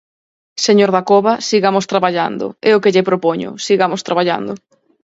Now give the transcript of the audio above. Señor Dacova, sigamos traballando, é o que lle propoño, sigamos traballando.